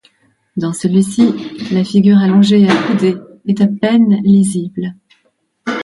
Dans celui-ci, la figure allongée et accoudée est à peine lisible.